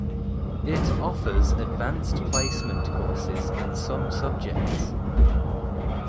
It offers Advanced Placement courses in some subjects.